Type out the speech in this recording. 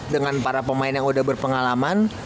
dengan para pemain yang udah berpengalaman